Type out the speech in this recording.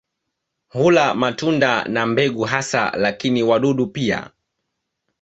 Hula matunda na mbegu hasa lakini wadudu pia.